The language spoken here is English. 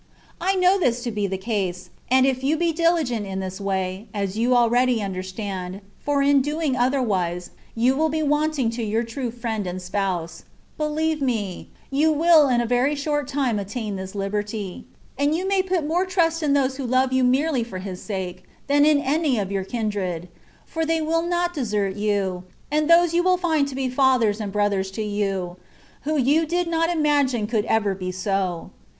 I know this to be the case ; and if you be * That is, pious people. THE WAY OF PERFECTION. 47 diligeat in this way, as you already understand (for in doing otherwise, you will be wanting to your true Friend and Spouse), believe me, you will in a very short time attain this liberty ; and you mjay put more trust in those who love you merely for His sake, than in any of your kindred ; for they will not desert you, and those you willj find to be fathers and brothers to you, who you did not imagine could ever be so.